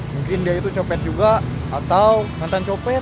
mungkin dia itu copet juga atau mantan copet